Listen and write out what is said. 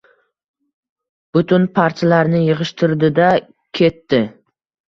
Butun parchalarini yig’ishtirdi-da ke-e-etdi.